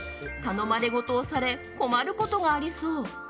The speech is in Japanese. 頼まれごとをされ困ることがありそう。